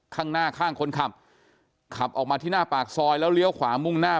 ข้างหน้าข้างคนขับขับออกมาที่หน้าปากซอยแล้วเลี้ยวขวามุ่งหน้า